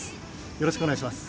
よろしくお願いします。